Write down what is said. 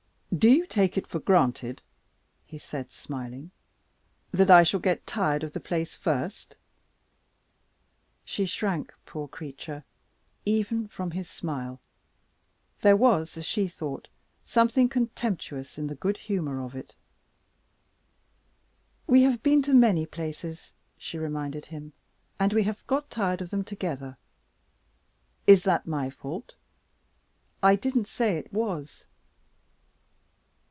"Do you take it for granted," he said, smiling, "that I shall get tired of the place first?" She shrank, poor creature, even from his smile. There was, as she thought, something contemptuous in the good humor of it. "We have been to many places," she reminded him, "and we have got tired of them together." "Is that my fault?" "I didn't say it was."